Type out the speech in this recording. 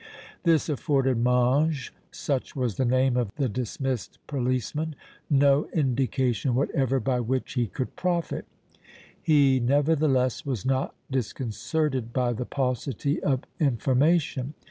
This afforded Mange, such was the name of the dismissed policeman, no indication whatever by which he could profit. He, nevertheless, was not disconcerted by the paucity of information.